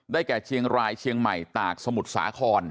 แก่เชียงรายเชียงใหม่ตากสมุทรสาคร